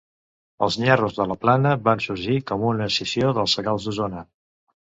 Els Nyerros de la Plana van sorgir com una escissió dels Sagals d'Osona.